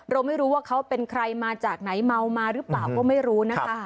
เราไม่รู้ว่าเขาเป็นใครมาจากไหนเมามาหรือเปล่าก็ไม่รู้นะคะ